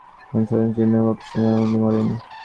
চারি দিকেই সমস্ত জীর্ণ, অপরিচ্ছন্ন, অনাদৃত, মলিন।